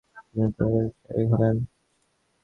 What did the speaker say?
তিনি সুদক্ষ বক্তা ও শিকারী ছিলেন।